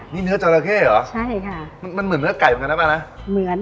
นี่เนื้อจอระเข้หรอใช่ค่ะมันเหมือนเนื้อไก่เหมือนกันนะ